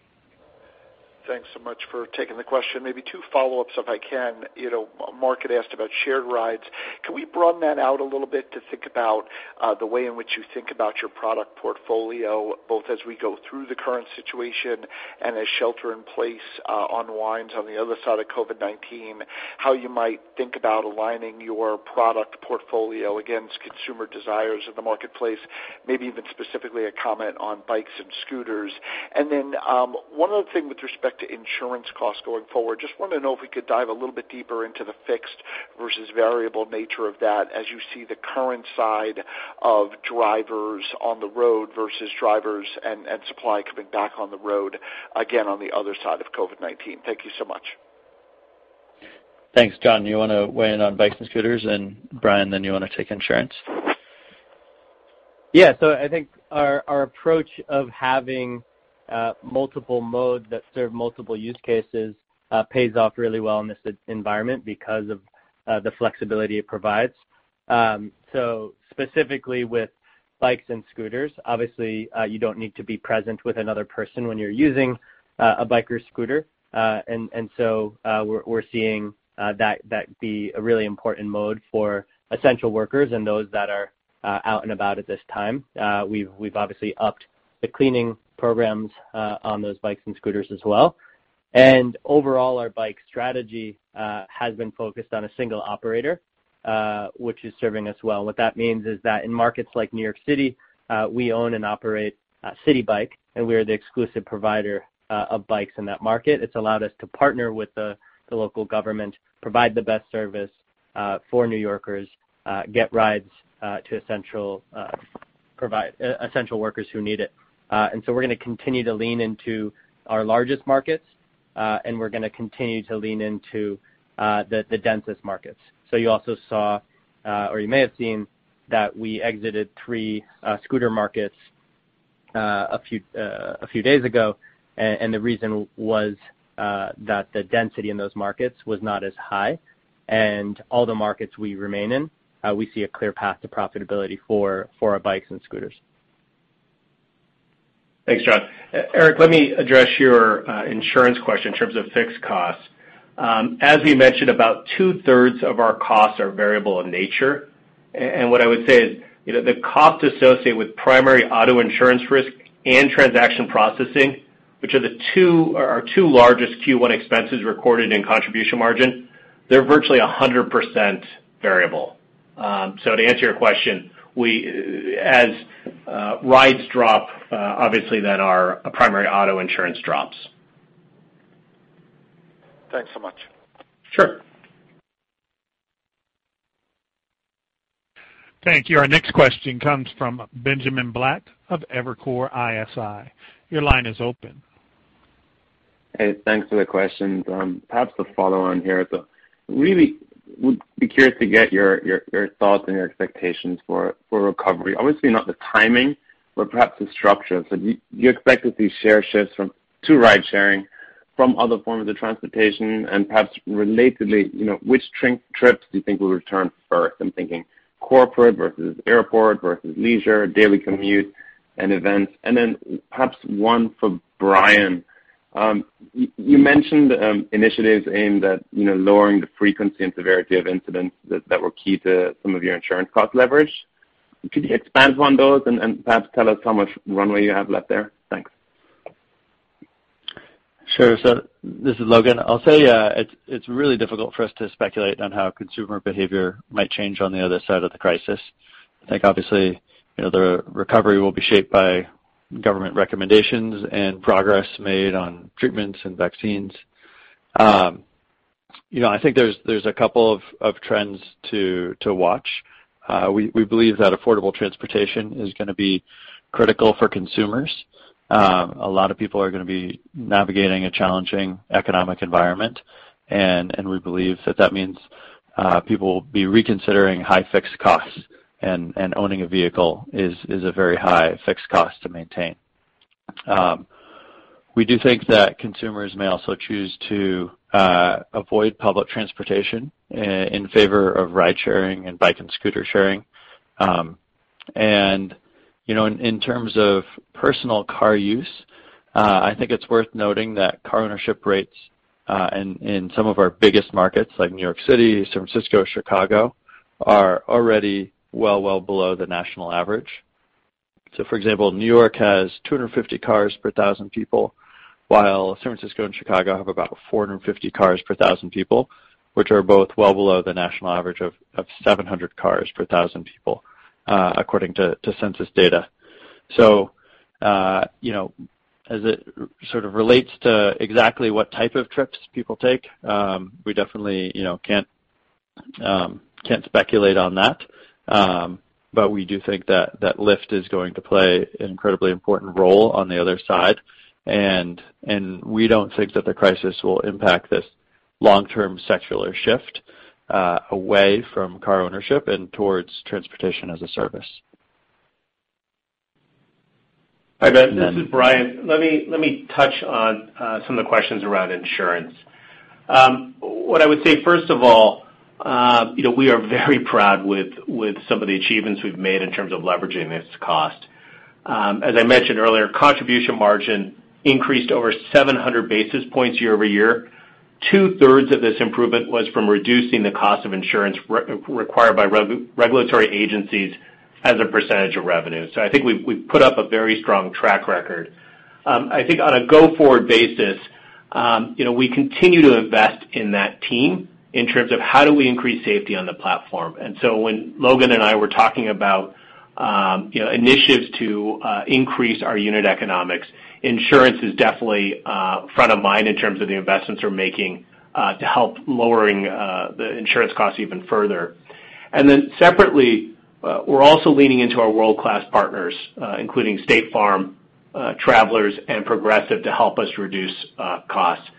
Thanks so much for taking the question. Maybe two follow-ups if I can. Mark had asked about Shared Rides. Can we run that out a little bit to think about the way in which you think about your product portfolio, both as we go through the current situation and as shelter in place unwinds on the other side of COVID-19, how you might think about aligning your product portfolio against consumer desires in the marketplace, maybe even specifically a comment on bikes and scooters. Then one other thing with respect to insurance costs going forward, just wanted to know if we could dive a little bit deeper into the fixed versus variable nature of that as you see the current side of drivers on the road versus drivers and supply coming back on the road again on the other side of COVID-19. Thank you so much. Thanks. John, you want to weigh in on bikes and scooters, and Brian, then you want to take insurance? Yeah. I think our approach of having multiple modes that serve multiple use cases pays off really well in this environment because of the flexibility it provides. Specifically with bikes and scooters, obviously, you don't need to be present with another person when you're using a bike or scooter. We're seeing that be a really important mode for essential workers and those that are out and about at this time. We've obviously upped the cleaning programs on those bikes and scooters as well. Overall, our bike strategy has been focused on a single operator, which is serving us well. What that means is that in markets like New York City, we own and operate Citi Bike, and we are the exclusive provider of bikes in that market. It's allowed us to partner with the local government, provide the best service for New Yorkers, get rides to essential workers who need it. We're going to continue to lean into our largest markets, and we're going to continue to lean into the densest markets. You also saw, or you may have seen that we exited three scooter markets a few days ago, and the reason was that the density in those markets was not as high. All the markets we remain in, we see a clear path to profitability for our bikes and scooters. Thanks, John. Eric, let me address your insurance question in terms of fixed costs. As we mentioned, about 2/3 of our costs are variable in nature. What I would say is, the cost associated with primary auto insurance risk and transaction processing, which are our two largest Q1 expenses recorded in contribution margin, they're virtually 100% variable. To answer your question, as rides drop, obviously then our primary auto insurance drops. Thanks so much. Sure. Thank you. Our next question comes from Benjamin Black of Evercore ISI. Your line is open. Hey, thanks for the questions. Perhaps a follow on here, though. Really would be curious to get your thoughts and your expectations for recovery. Obviously not the timing, but perhaps the structure. Do you expect to see share shifts from to ride-sharing from other forms of transportation? Perhaps relatedly, which trips do you think will return first? I'm thinking corporate versus airport versus leisure, daily commute, and events. Perhaps one for Brian. You mentioned initiatives aimed at lowering the frequency and severity of incidents that were key to some of your insurance cost leverage. Could you expand on those and perhaps tell us how much runway you have left there? Thanks. Sure. This is Logan. I'll say, it's really difficult for us to speculate on how consumer behavior might change on the other side of the crisis. I think obviously, the recovery will be shaped by government recommendations and progress made on treatments and vaccines. I think there's a couple of trends to watch. We believe that affordable transportation is going to be critical for consumers. A lot of people are going to be navigating a challenging economic environment, and we believe that that means people will be reconsidering high fixed costs, and owning a vehicle is a very high fixed cost to maintain. We do think that consumers may also choose to avoid public transportation in favor of ride-sharing and bike and scooter-sharing. In terms of personal car use, I think it's worth noting that car ownership rates in some of our biggest markets, like New York City, San Francisco, Chicago, are already well below the national average. For example, New York has 250 cars per 1,000 people, while San Francisco and Chicago have about 450 cars per 1,000 people, which are both well below the national average of 700 cars per 1,000 people, according to census data. As it sort of relates to exactly what type of trips people take, we definitely can't speculate on that. We do think that Lyft is going to play an incredibly important role on the other side, and we don't think that the crisis will impact this long-term secular shift away from car ownership and towards transportation as a service. Hi, Ben. This is Brian. Let me touch on some of the questions around insurance. What I would say, first of all, we are very proud with some of the achievements we've made in terms of leveraging this cost. As I mentioned earlier, contribution margin increased over 700 basis points year-over-year. 2/3 of this improvement was from reducing the cost of insurance required by regulatory agencies as a percentage of revenue. I think we've put up a very strong track record. I think on a go-forward basis, we continue to invest in that team in terms of how we increase safety on the platform. When Logan and I were talking about initiatives to increase our unit economics, insurance is definitely front of mind in terms of the investments we're making to help lowering the insurance costs even further. Separately, we're also leaning into our world-class partners, including State Farm, Travelers, and Progressive to help us reduce costs.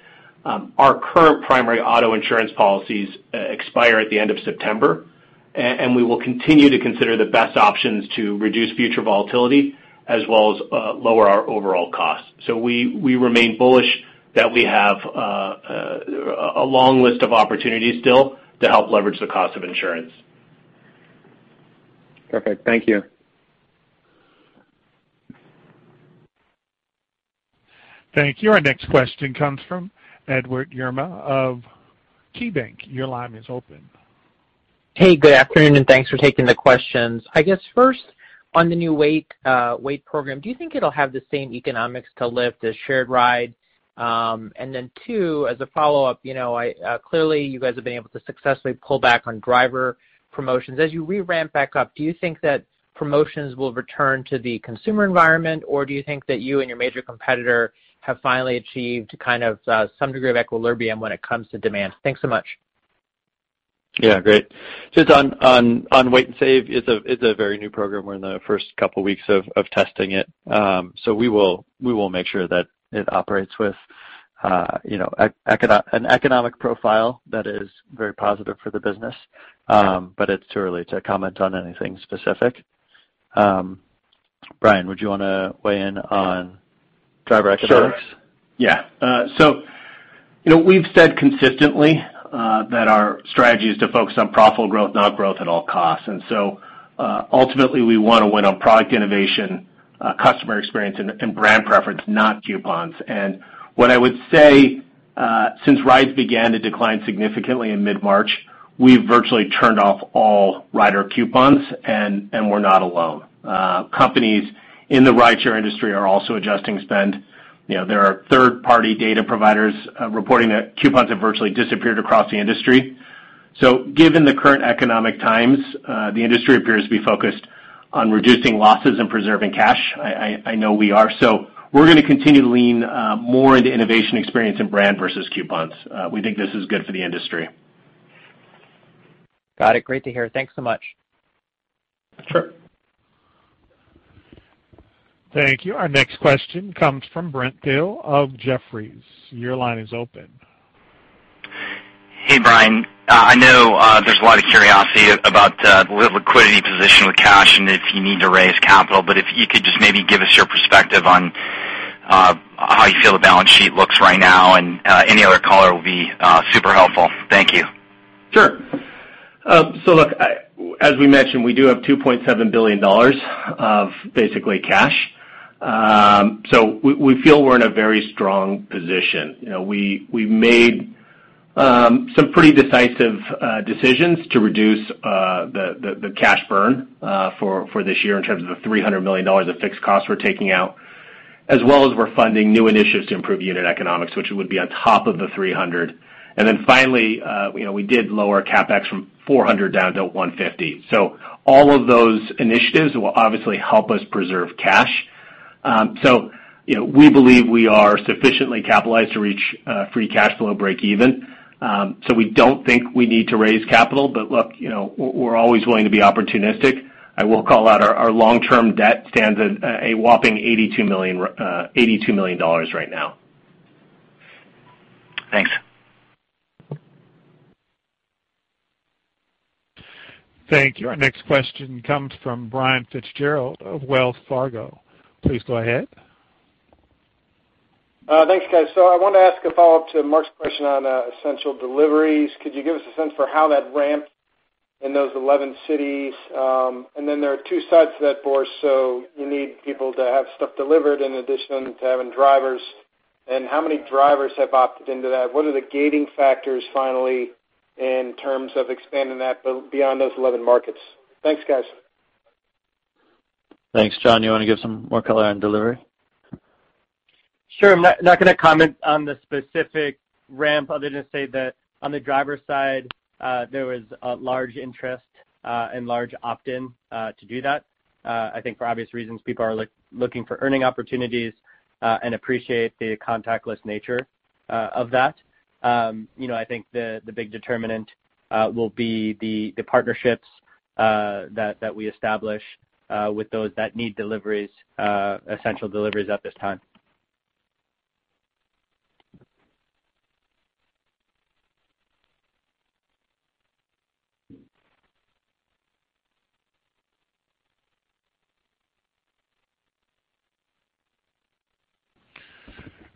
Our current primary auto insurance policies expire at the end of September, and we will continue to consider the best options to reduce future volatility as well as lower our overall costs. We remain bullish that we have a long list of opportunities still to help leverage the cost of insurance. Perfect. Thank you. Thank you. Our next question comes from Edward Yruma of KeyBanc. Your line is open. Hey, good afternoon, and thanks for taking the questions. I guess first, on the new Wait program, do you think it'll have the same economics to Lyft as Shared Ride? Two, as a follow-up, clearly you guys have been able to successfully pull back on driver promotions. As you re-ramp back up, do you think that promotions will return to the consumer environment, or do you think that you and your major competitor have finally achieved some degree of equilibrium when it comes to demand? Thanks so much. Yeah, great. On Wait & Save, it's a very new program. We're in the first couple of weeks of testing it. We will make sure that it operates with an economic profile that is very positive for the business. It's too early to comment on anything specific. Brian, would you want to weigh in on driver economics? Sure, yeah. We've said consistently that our strategy is to focus on profitable growth, not growth at all costs. Ultimately, we want to win on product innovation, customer experience, and brand preference, not coupons. What I would say, since rides began to decline significantly in mid-March, we've virtually turned off all rider coupons, and we're not alone. Companies in the rideshare industry are also adjusting spend. There are third-party data providers reporting that coupons have virtually disappeared across the industry. Given the current economic times, the industry appears to be focused on reducing losses and preserving cash. I know we are. We're going to continue to lean more into innovation, experience, and brand versus coupons. We think this is good for the industry. Got it. Great to hear. Thanks so much. Sure. Thank you. Our next question comes from Brent Thill of Jefferies. Your line is open. Hey, Brian. I know there's a lot of curiosity about the liquidity position with cash and if you need to raise capital. If you could just maybe give us your perspective on how you feel the balance sheet looks right now, and any other color will be super helpful. Thank you. Sure. Look, as we mentioned, we do have $2.7 billion of basically cash. We feel we're in a very strong position. We made some pretty decisive decisions to reduce the cash burn for this year in terms of the $300 million of fixed costs we're taking out, as well as we're funding new initiatives to improve unit economics, which would be on top of the $300 million. Finally, we did lower CapEx from $400 down to $150. All of those initiatives will obviously help us preserve cash. We believe we are sufficiently capitalized to reach free cash flow breakeven. We don't think we need to raise capital. Look, we're always willing to be opportunistic. I will call out our long-term debt stands at a whopping $82 million right now. Thanks. Thank you. Our next question comes from Brian Fitzgerald of Wells Fargo. Please go ahead. Thanks, guys. I wanted to ask a follow-up to Mark's question on Essential Deliveries. Could you give us a sense for how that ramped in those 11 cities? There are two sides to that, so you need people to have stuff delivered in addition to having drivers. How many drivers have opted into that? What are the gating factors finally, in terms of expanding that beyond those 11 markets? Thanks, guys. Thanks. John, you want to give some more color on delivery? Sure. I'm not going to comment on the specific ramp other than to say that on the driver side, there was a large interest and large opt-in to do that. I think for obvious reasons, people are looking for earning opportunities and appreciate the contactless nature of that. I think the big determinant will be the partnerships that we establish with those that need Essential Deliveries at this time.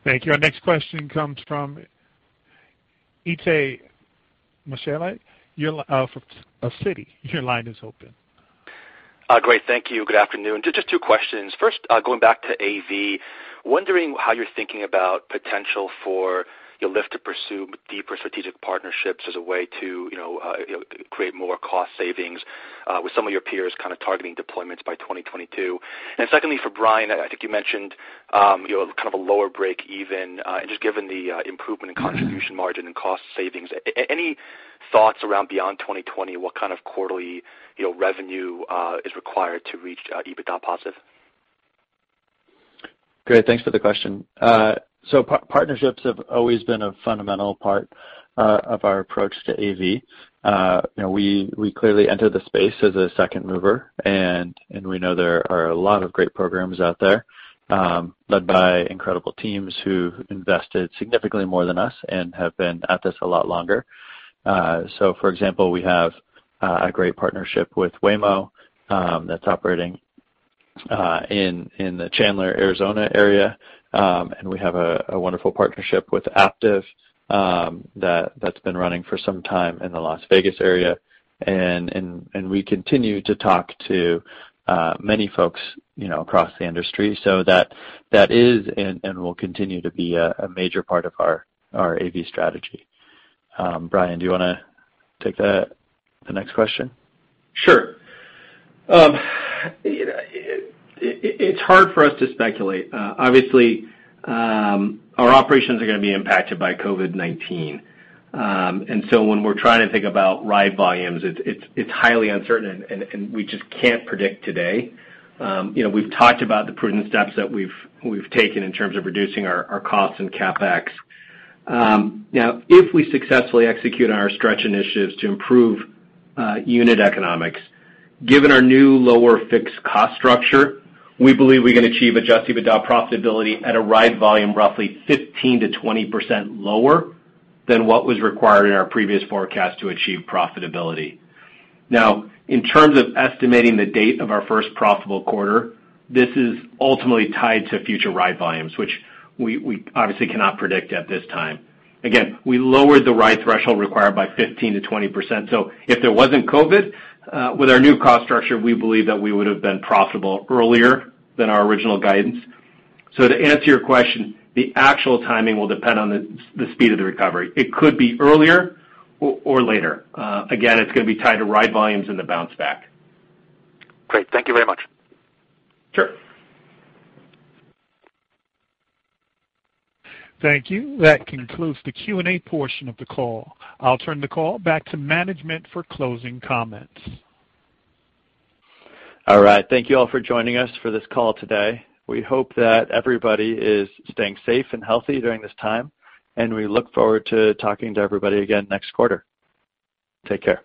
Thank you. Our next question comes from Itay Michaeli of Citi. Your line is open. Great, thank you. Good afternoon. Just two questions. First, going back to AV, wondering how you're thinking about potential for Lyft to pursue deeper strategic partnerships as a way to create more cost savings with some of your peer's kind of targeting deployments by 2022. Secondly, for Brian, I think you mentioned kind of a lower break even, and just given the improvement in contribution margin and cost savings, any thoughts around beyond 2020, what kind of quarterly revenue is required to reach EBITDA positive? Great, thanks for the question. Partnerships have always been a fundamental part of our approach to AV. We clearly entered the space as a second mover, and we know there are a lot of great programs out there led by incredible teams who invested significantly more than us and have been at this a lot longer. For example, we have a great partnership with Waymo, that's operating in the Chandler, Arizona area. We have a wonderful partnership with Aptiv that's been running for some time in the Las Vegas area. We continue to talk to many folks across the industry. That is and will continue to be a major part of our AV strategy. Brian, do you want to take the next question? Sure. It's hard for us to speculate. Obviously, our operations are going to be impacted by COVID-19. When we're trying to think about ride volumes, it's highly uncertain, and we just can't predict today. We've talked about the prudent steps that we've taken in terms of reducing our costs and CapEx. Now, if we successfully execute on our stretch initiatives to improve unit economics, given our new lower fixed cost structure, we believe we can achieve adjusted EBITDA profitability at a ride volume roughly 15%-20% lower than what was required in our previous forecast to achieve profitability. Now, in terms of estimating the date of our first profitable quarter, this is ultimately tied to future ride volumes, which we obviously cannot predict at this time. Again, we lowered the ride threshold required by 15%-20%. If there wasn't COVID, with our new cost structure, we believe that we would have been profitable earlier than our original guidance. To answer your question, the actual timing will depend on the speed of the recovery. It could be earlier or later. Again, it's going to be tied to ride volumes and the bounce back. Great. Thank you very much. Sure. Thank you. That concludes the Q&A portion of the call. I'll turn the call back to management for closing comments. All right. Thank you all for joining us for this call today. We hope that everybody is staying safe and healthy during this time, and we look forward to talking to everybody again next quarter. Take care.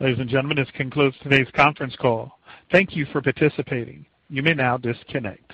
Ladies and gentlemen, this concludes today's conference call. Thank you for participating. You may now disconnect.